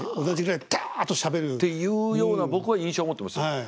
同じぐらいダっとしゃべる。っていうような僕は印象持ってますよ。